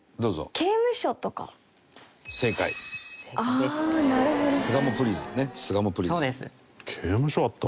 刑務所あったんだ。